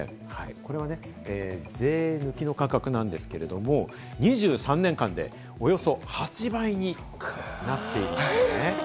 これは税抜きの価格なんですけど、２３年間でおよそ８倍になっているんですね。